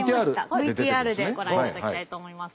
ＶＴＲでご覧いただきたいと思います。